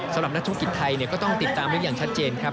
สำหรับนักธุรกิจไทยก็ต้องติดตามไว้อย่างชัดเจนครับ